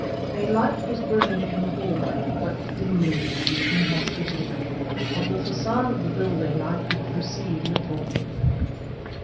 A light was burning in the hallway, but dimly and inhospitably; of the facade of the building I could perceive little.